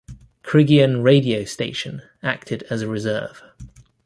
Criggion radio station acted as a reserve.